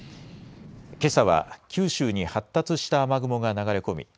けさは九州に発達した雨雲が流れ込み